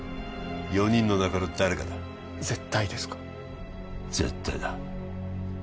４人の中の誰かだ絶対ですか絶対だ